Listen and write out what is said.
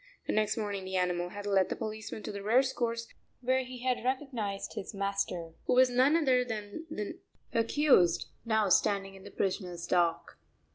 The next morning the animal had led the policeman to the race course where he had recognized his master, who was none other than the accused now standing in the prisoner's dock.